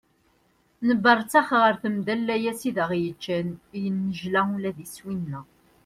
Nebberttex ɣer temda n layas i aɣ-yeččan, yennejla ula d iswi-nneɣ.